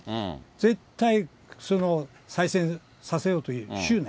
絶対再選させようという執念。